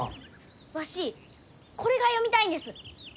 わしこれが読みたいんです。